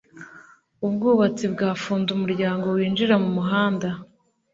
ubwubatsi bwafunze umuryango winjira mumuhanda